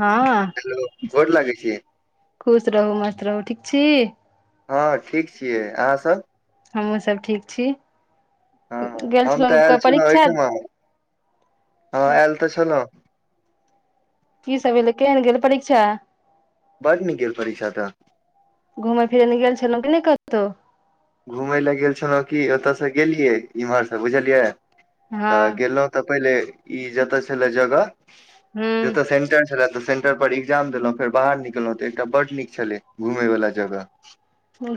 हँ। हेलो, गोर लागै छै। खुश रहू, मस्त रहू ठीक छै। हँ ठीक छियै अहाँ सभ। हमहूँ सभ ठीक छी हँ गेल हम तऽ छलया आयल छलहुँ परीक्षा। ओहिठमा हँ एल तऽ छल। कि सभ एलै केहन गेल परीक्षा। बड़ निक गेल परीक्षा तऽ घुमय फिरय लए गेल छलहुँ के नहि कतहुौ। घुमय लए गेल छलहूँ कि ओतयसँ गेलियै इम्हर से बुझलियै। हँ तऽ गेलहुँ तऽ पहिले ई जतऽ छलै, जगह जतऽ हूँ सेटेस। छल तऽ सेटर पर एजाम देलहुँ फेर बाहर निकलहुँ तऽ एकटा बड्ड निक छलै घुमै वाला जगह।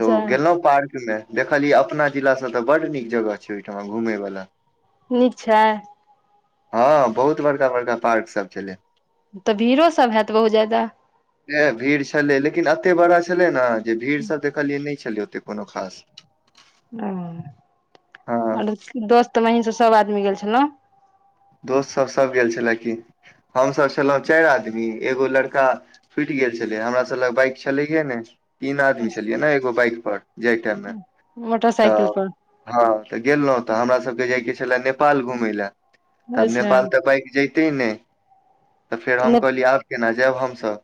तऽ गेलहुँ पार्कमे देखलियै अपना जिलासँ तऽ बड्ड नीक जगह छै, ओहिठमा घुमय वला। निक छै। हँ, बहुत बड़का बड़का पार्क सभ छलै। तऽ भीड़ो सभ होयत बहुत ज्यादा। ए भीड़ छलै, लेकिन एते बड़ा छलै, ने जे भीड़ सभ देखलियै नहि छलै, ओते कोनो खास। हँ ओर दोस्त महीन से सभ आदमी गेल छलहूँ। दोस्त सभ सभ गेल छलै, कि हमसभ छलहुँ चारि आदमी एगो लड़का। फूटि गेल छलै हमरा लग बाइक छलैयए ने तीन आदमी छलियै ने एगो बाइक पर जाइ टाइममे तऽ मोटरसाइकिल पर हँ, तऽ गेलहुँ तऽ हमरा सभके जायके छले नेपाल घूमे लऽ। तब अच्छा नेपाल तऽ बाइक जैतै ने, तऽ फेर हम कहलियै आब केना जायब हमसभ।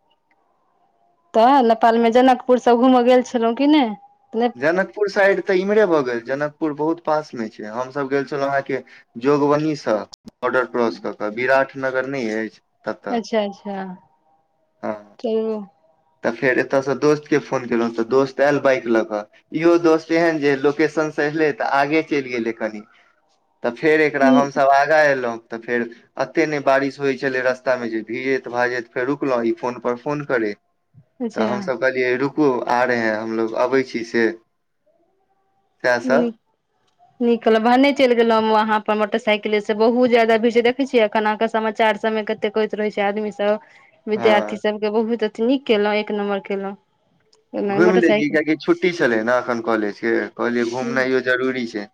तऽ नेपालमे जनकपुर सभ घुम गेल छलहूँ कि नहि जनकपुर साइड तऽ इम्हरे भऽ गेल, जनकपुर बहुत पास मे छै, हम सभ गेल छलौं अहाँकेँ जोगवनी सँ बॉर्डर क्रॉस कऽ क विराट नगर नहि अछि। ततऽ अच्छा, अच्छा हँ फिर। तऽ फेर एतसँ दोस्त के फोन केलहुँ तऽ दोस्त आयल बाइक लऽ कऽ इहो दोस्त एहन जे लोकेशन स एलै तऽ आगे चलि गेलै कनि तऽ फेर एकरा हम सभ आगाँ एलहुँ तऽ फेर एते नहि बारिश होइत छलै रस्तामे जे भीजैत भाजैत फेर रुकलहुँ ई फोन पर फोन करैत तऽ अच्छा हमसभ कहलियै रुकू आ रहे हैं हमलोग अबै छी से सएह ह [inaudible] [inaudible] नीक कहल भहने चलि गेलों वहाँ पर मोटरसाइकिले से बहुत जादा भीड़ छै देखै छियै एखन अहाँ समाचार सबमे के ते कहैत रहै छै आदमी सब हँ विद्यार्थी सभके बहुत अथि नीक केलौ एक नम्बर केलौ घुमि लेलियै कियकि छुट्टी छले ने एखन कॉलेज के कहलियै घुमनाइयो जरूरी छै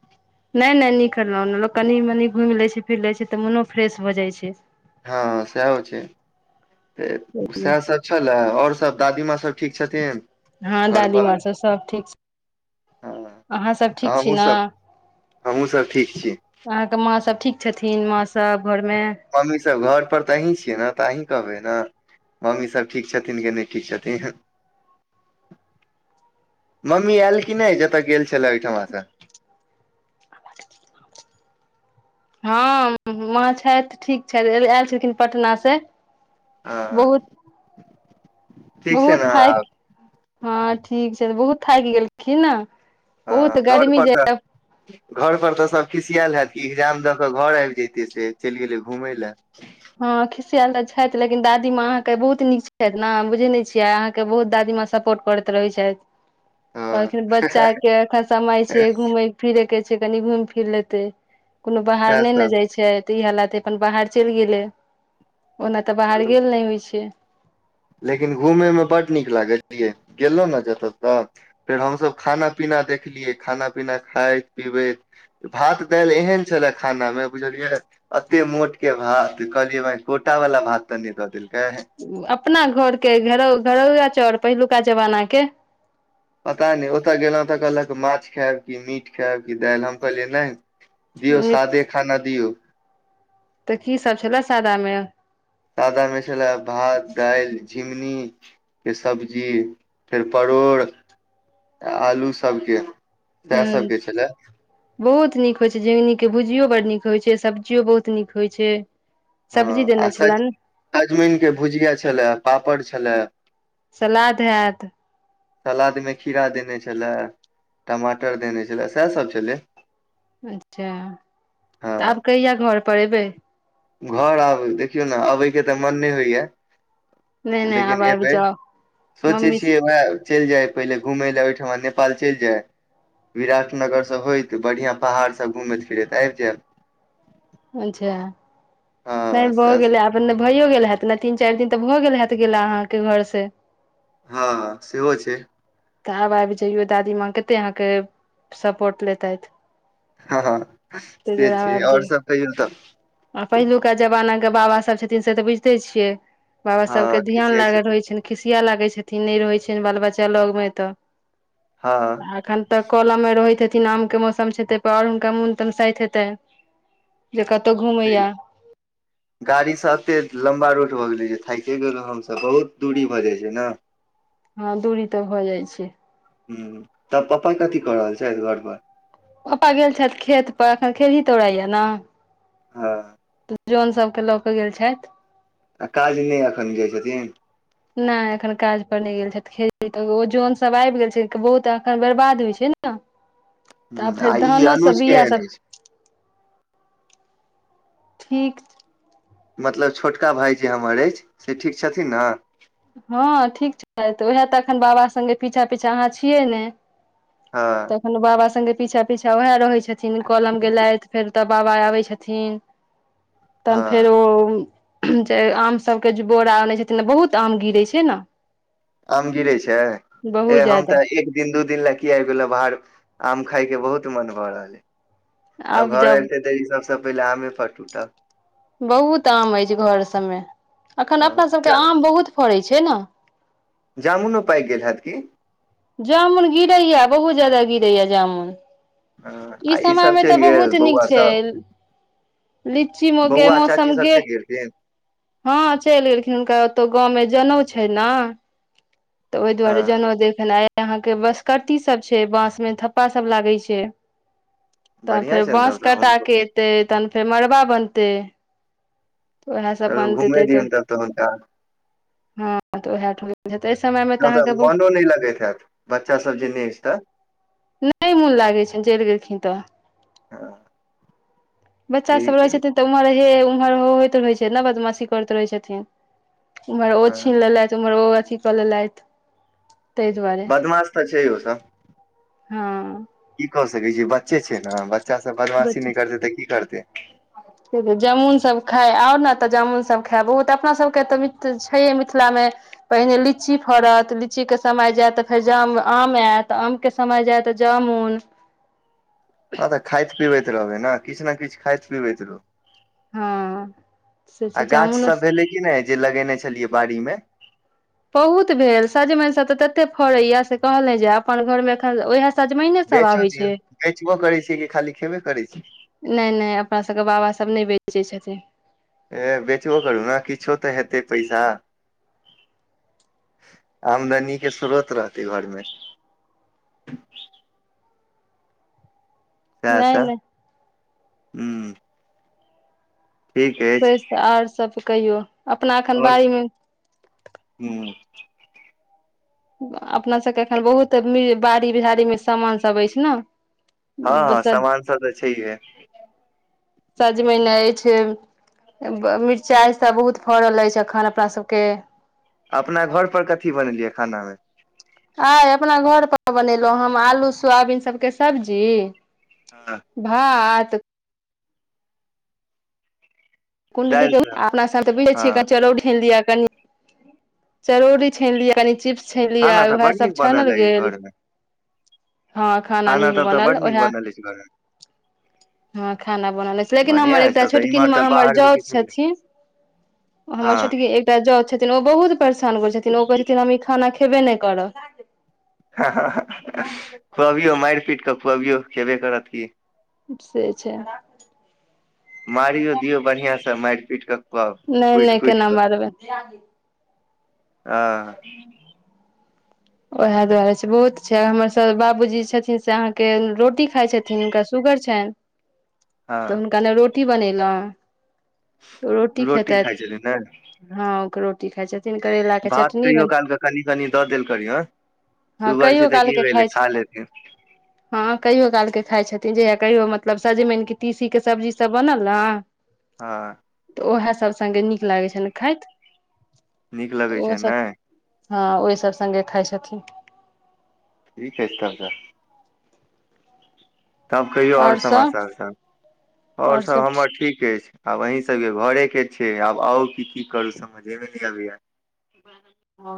नहि नहि नीक करलहुं लोक कनी मनी घुएम लै छै फिर लै छै तऽ मनो फ्रेश भऽ जाइ छै हँ सेहा होय छै त सब छलए आउर सब दादीमाँ सब ठीक छथिन हँ घर पर दादीमाँ सब सब ठीक हँ अहाँसभ तऽ ठीक छी हमहूँ न सब हमहूँ सब ठीक छी अहाँके माँ सभ ठीक छथिन मासब घरमे मम्मी सब घर पर तऽ अीं छियै ने तऽ अहीं कहबै न मम्मीसभ ठीक छथिन कि नहि ठीक छथिन मम्मी आयल की नय जतय गेल छएला ओहिठमा सँ हँ माँ छैथ ठीक छैथ आयल छथिन पटना से हँ बहुत ठीक छै बहुत ने थई आब हँ ठीक छै तऽ बहुत थाएक गेलखिन न बहुत हँ घर गर्मी पर जे तऽ घर पर तऽ सब खिसियेल हैत कि एग्जाम द क घर आबि जयतिय से चलि गेलै घूमय लए [inaudible] हँ खिसियाल तऽ छैथ लेकिन दादीमाँ अहाँके बहुत नीक छैथ न बुझे नहि छियै अहाँके बहुत दादीमाँ सपोर्ट करैत रहै छैथ [inaudible] कहलखिन बच्चाके एखन समय छै घूमय फिरैके छै कनि घूमि फिर लेतै कुनो बाहर सएह नहि ने सब जाइ छै तऽ इहे लाथे अपन बाहर चलि गेलै ओना तऽ बाहर गेल नहि होइ छै लेकिन घुमयमे बड्ड नीक लागत ययै गेलहुँ ने जतय तऽ फेर हमसब खाना पीना देखलियै खाना पीना खाइत पीबैत भात दालि एहन छएला खानामे बुझलियै एते मोट के भात कहलियै बहि कोटा वाला भात तऽ नहि दऽ देलकै अपना घर के घरौआ चौर पहिलुका जमाना के पता नहि ओतय गेलहुँ तऽ कहलक माछ खायब कि मीट खायब कि दालि हम कहलियै नहि दियौ सादे खाना दिऔ तऽ की सब छएला सादा मे सादा मे छला भात दइल झिंमनी के सब्जी फेर परोड़ आलू सभके हू बहुत नीक होइ छै झिंमनी के भुजियो बड़ नीक होइ छै सब्जियो बहुत नीक होइ छै हँ सब्जी आ देने सज छलनि सजमैन के भुजिया छला पापड़ छलए सलाद हैत सलादमे खीरा देने छलाय टमाटर देने छलाय सएह सब छलाय अच्छा तऽ हँ आब कहिया घर पर एबै घर आब देखियौ ने अबै के तऽ मन नहि होइया नहि नहि आब लेकिन आबि अबै जाउ सोचै मम्मी छियै वएह चलि जाय पहिले घुमय लए ओहिठमा नेपाल चलि जाय विराट नगर सब होयत बढ़िया पहाड़ सब घूमैत फिरैत आबि जायब अच्छा हँ नहि भऽ सएह स- गेलै आब अपनने भइयो गेल हत ने तीन चारि दिन तऽ भऽ गेल हत गा अहाँके घर से हँ सेहो छै तऽ आब आबि जइयो दादी माँ कते अहाँके सपोर्ट लेतै हँ हँ से आब छै आबि आउर जइयौ सब कहियौ तऽ आ पहिलुका जमाना के बाबा सब छथिन से तऽ बुझते छियै बाबा सब के हँ ध्यान खिसियाइ लागल छथिन रहे छै खिसिया लागै छथिन नहि रहै छ बाल बच्चा लग मे तऽ हँ एखन तऽ कलम मे रहैत हेथिन आम के मौसम छै त आउर हुनका मोन तनसाइत हेतै जे कत तऽ घूमैया ह गाड़ी से एते लम्बा रूट भऽ गेलै जे थके गेलों हमसभ बहुत दूरी भऽ जाइ छै ने [inaudible] हँ दूरी तऽ भ जाइ छै ह तब पप्पा कथि कऽ रहल छै घर परर ओपा गेल छथि खेत पर एखन खेड़ी तौड़ाया ने हँ जौन सभके लऽ कऽ गेल छथि आ काज नहि एखन जाइ छथिन नहि एखन काज पर नहि गेल छथि खेती ओ जन सब आबि गेल छै बहुत एखन बर्बाद होइ छै ने तऽ आब ह आ फेर ई धानो सब अनुज बिया केहन सब अछि ठीक छै मतलब छोटका भााय जे हमर अछि से ठीक छथिन ने हँ ठीक छै तऽ उएह तऽ एखन बाबा सङ्गे पीछा पीछा अहाँ छियै ने हँ बाबा सगे पीछा पीछा वएह रहे छथिन कलम गेलथि फेर तब बाबा आबै छथिन तहन फेर हँ ओ आम सभके जे बोरा अनै छथिन बहुत आम गिरै छै ने आम गिरे छै ए बहुत हम ज्यादा तऽ एक दिन दू दिन ला की आबि गेलो बाहर आम खाय के बहुत मन भऽ रहल है आब घर एयलते तऽ ई सबसे पहिले आमे फट उट बहुत आम अछि घर सबमे अखन अपना हँ सबके जा आम बहुत फड़ैत छै ने जामुनो पाईक गेल हैत कि जामुन गिरैया बहुत जदा गिरैया जामुन हँ ई आ ईसभ समयमे तऽ चलि गेल बहुत नीक बौआ छै सब लीची मोगे बौआ चाची मौसम सब ग चलि गेलखिन हँ चलि गेलखिन हुनका ओतौ गाँवमे जनउ छै ने तऽ ओहि दुआरे हँ जनेउ देखन आ अहाँ के बसकती सब छै बास मे थप्पा सब लागे छै तन बढ़िया फेर छनि तब बाँस तऽ कटा हुनको केे एतै तहन फेर मड़बा बनतै ओह सब चलू घुमे बनतेे तऽ दियौन तब हुनका हँ तऽ ओह ठ समय मे त तऽ अहाँके मोनो नहि लगैत हत बच्चा सब जे नहि अछि तऽ नइ मौन लागै छै चलि गेलखिन तऽ हँ बच्चा सब ठीक अइ रहै छथिन तऽ उम्हर हे उम्हर हो होय रहै छै बदमाशी करैत रहै छथिन उम्हर ओ हँ छीन लेलेथ उम्हर ओ अथी क लेलयथ तय दुआरे बदमाश त छै ओ सब हँ की क सकै छी बच्चे छै ने बच्चा सब बदमाशी न बच्चा करतै त की करतै जामुन सभ खाए आउ ने त जामुन सभ खायब बहुत अपना सभके त छयहे मिथिलामे पहिले लीची फड़त लीची के समय जायत त फेर जाम आम आयत आम के समय जाए त जामुन हॅ त खाएत पीबैत रहबै ने किछ ने किछ तो खाइत पीबैत रहूँ हँ से छै आ गाछ जामुनो सब भेलै कि नहि जे लगेने छलियै बाड़ी मे बहुत भेल सजमेन सब त तते फड़ैया से कहल ना जाए अपन घर मे एखन ओएह बेचो दियौ बेचबो करै छियै कि खाली खेबे करै छि नहि नहि अपना सभके बाबासभ नहि बेचै छथिन ए बेचबो करू ने किछो तऽ हेतै पैसा आमदनी के श्रोत रहतै घरमे सएसँ नहि नहि हूँ ठीक अछि तऽ आओर सभ कहियौ अपना एखन आओर बाड़ीमे हूँ अपना सबके एखन बहुत बाड़ी बिहाड़ी मे सामान सब अछि ने हँ हँ सामान सब त छ्य है सजमइन अछि मिरचाइ त बहुत फड़ल अछि एखन अपना सबके अपना घर पर कथी बनेलियै खाना मे आय अपना घर पर बनेलहुँ हम आलू सोयाबीन सबके सब्जी हँ भात कुंडली दालि के सब अपना साथ हँ [unintelligible] दिया चरौरी छनि लिय कनि चिप्स छनि लियअ खाना आय तऽ उएह बड सभ नीक छानल बनल अइ गेल घर मे हँ खाना नीक तब तऽ बनल बड नीक उहे बनल अछि घर मे हँ खाना बनौनेे छै लेकिन बढ़िया हमर अछि एकटा तब तऽ इम्हर छोटकिनमा तऽ हमर बाहर मे जाउत किछु नहि छथि हमर हँ छोटकी एक जाउथ छथिन ओ बहुत परेशान करै छथिन ओ कहै छथिन हम ई खाना खेबे नहि करब हँ हँ खुआबियो मार पीट क खुअबियो खेबे करत की से छै मारियो दियौ बढ़िया सँ मार पीट क खुआउ नहि कुट नहि कुट केना क मारबै अ उएह दुआरे छै बहुत छै हमरसभ बाबूजी छथिन से अहाँके रोटी खाए छथिन हुनका शुगर छै त हँ हुनका ले रोटी बनेलो रोटी खेतैथ खाइ छथिन ने हँ ओ रोटी खाइ छथिन करैला के भात चटनी कहियो बन काल के कनि कनि द देल करियो हँ शुगर कहियो छै त काल की के खाइ भेले खा छथिन लेथि हँ कहियो काल के खाइ छथिन जहिया कहियो मतलब सजमन की तीसी के सब्जी सब बनल न हँ त उएह सभ संगे नीक लागैत छइन खाएत नीक त लगै छै ओहेसभ ने हँ, ओहि सभ संगे खाए छथिन। ठीके छै, तब तऽ तब कहियो ओर आओर सब समाचार सभ ओर आओर सभ सब हमर ठीक अछि। आब अही सभके घरे के छै, आब आउ कि कि करू समझे नहि अबैय। आ।